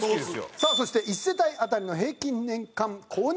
さあそして一世帯当たりの平均年間購入額。